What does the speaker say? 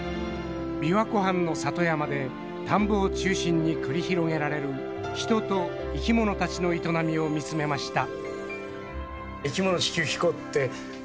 「琵琶湖畔の里山で田んぼを中心に繰り広げられる人と生きものたちの営みを見つめました」。